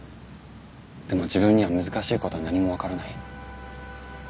でも自分には難しいことは何も分からない。